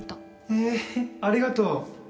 ええありがとう